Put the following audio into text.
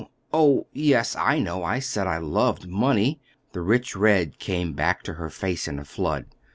Oh, yes, I know, I said I loved money." The rich red came back to her face in a flood.